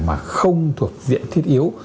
mà không thuộc diện thiết yếu